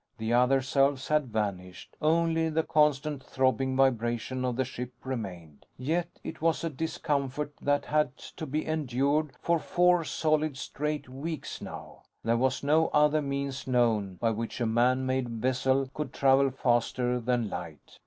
The other selves had vanished. Only the constant throbbing vibration of the ship remained; yet it was a discomfort that had to be endured for four solid straight weeks now. There was no other means known, by which a man made vessel could travel faster than light.